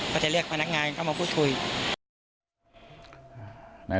ก็จะเรียกพนักงานเข้ามาพูดคุย